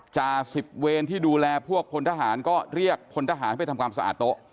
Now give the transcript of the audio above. จ่าสิบเวรที่ดูแลพวกพลทหารก็เรียกพลทหารไปทำความสะอาดโต๊ะ